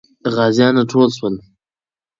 غازیان راټول سول.